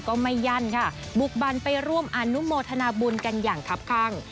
ก็ไม่ยั่นบุกบรรณไปร่วมอนุโมธนาบุญกันอย่างครับข้าง